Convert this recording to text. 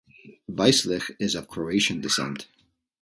Vicelich is of Croatian descent.